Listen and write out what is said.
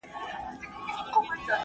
کرنیزو محصولاتو ښه بازار درلود.